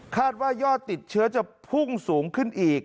ว่ายอดติดเชื้อจะพุ่งสูงขึ้นอีก